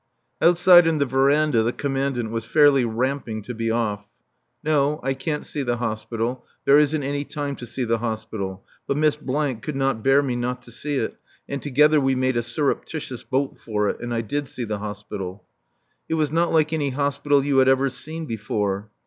Outside on the verandah the Commandant was fairly ramping to be off. No I can't see the Hospital. There isn't any time to see the Hospital. But Miss could not bear me not to see it, and together we made a surreptitious bolt for it, and I did see the Hospital. It was not like any hospital you had ever seen before.